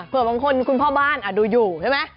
เพื่อบางคนคุณพ่อบ้านดูอยู่ใช่ไหม